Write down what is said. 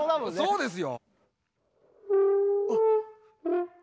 そうですよ。